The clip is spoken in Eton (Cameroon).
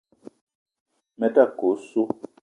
Me ta ke osso.